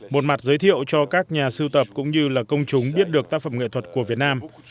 một mặt giới thiệu cho các nhà sưu tập cũng như là công chúng biết được tác phẩm nghệ thuật của việt nam